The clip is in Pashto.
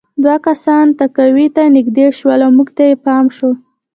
دوه کسان تهکوي ته نږدې شول او موږ ته یې پام شو